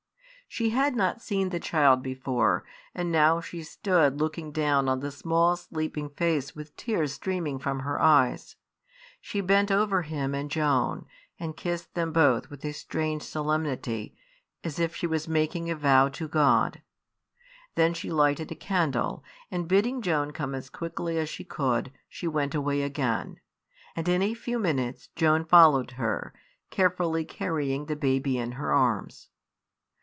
She had not seen the child before; and now she stood looking down on the small sleeping face with tears streaming from her eyes. She bent over him and Joan, and kissed them both with a strange solemnity, as if she was making a vow to God. Then she lighted a candle, and bidding Joan come as quickly as she could, she went away again; and in a few minutes Joan followed her, carefully carrying the baby in her arms.